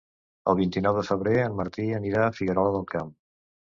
El vint-i-nou de febrer en Martí anirà a Figuerola del Camp.